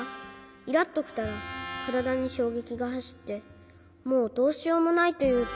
イラッときたらからだにしょうげきがはしってもうどうしようもないというか。